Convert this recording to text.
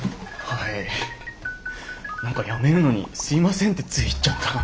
はい何か辞めるのにすいませんってつい言っちゃった。